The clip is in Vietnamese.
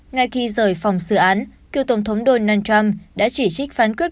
ngay khi rời phòng xử án cựu tổng thống donald trump đã chỉ trích phán quyết